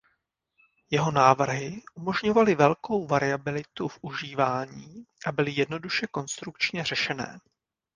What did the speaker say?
Jeho návrhy umožňovaly velkou variabilitu v užívání a byly jednoduše konstrukčně řešené.